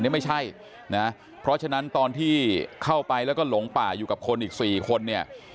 นี่ไม่ใช่นะเพราะฉะนั้นตอนที่เข้าไปแล้วก็หลงป่าอยู่กับคนอีก๔คนเนี่ย